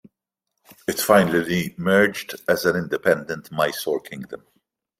It finally merged as an independent Mysore kingdom.